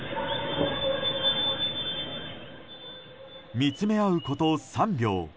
見つめあうこと３秒。